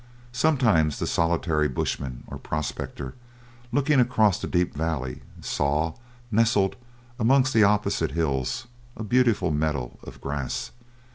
Sometimes the solitary bushman or prospector, looking across a deep valley, saw, nestled amongst the opposite hills, a beautiful meadow of grass.